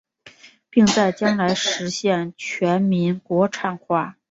并在将来实现全面国产化。